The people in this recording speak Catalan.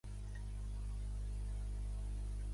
Aquestes pedres són ses restes d'una naveta d'habitació.